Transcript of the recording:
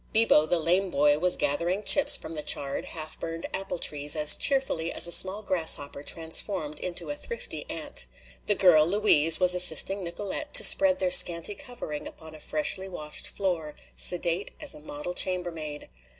Bibo, the lame boy, was gathering chips from the charred, half burned apple trees as cheerfully as a small grasshopper transformed into a thrifty ant. The girl, Louise, was assisting Nicolete to spread their scanty covering upon a freshly washed floor, sedate as a model chambermaid.